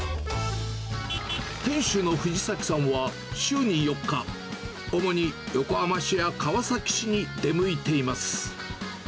店主の藤崎さんは、週に４日、主に横浜市や川崎市に出向いています。